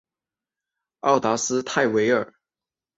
奥达斯泰韦尔。